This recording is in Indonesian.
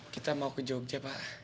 kita mau ke jogja pak